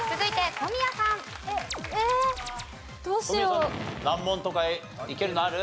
小宮さん難問とかいけるのある？